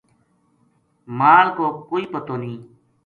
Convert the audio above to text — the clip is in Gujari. مال کو کوئی پتو نیہہ